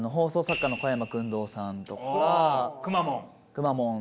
くまモン！